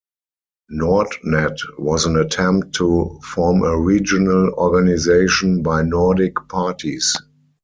NordNat was an attempt to form a regional organisation by Nordic parties.